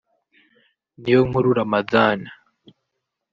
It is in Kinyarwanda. Niyonkuru Ramadhan